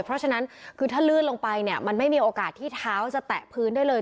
เพราะฉะนั้นคือถ้าลื่นลงไปเนี่ยมันไม่มีโอกาสที่เท้าจะแตะพื้นได้เลย